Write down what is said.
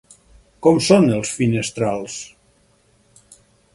Com són els finestrals?